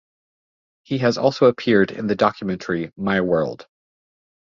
He has also appeared in the documentary "My World".